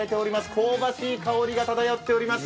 香ばしい香りが漂っております。